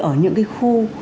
ở những khu